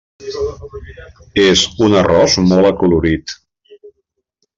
És un arròs molt acolorit.